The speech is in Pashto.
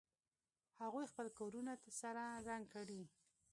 هغوی خپل کورونه سره رنګ کړي